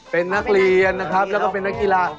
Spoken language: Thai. เป็นนักเรียนนะครับแล้วก็เป็นนักกีฬา